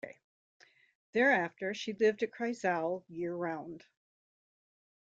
Thereafter, she lived at Kreisau year-round.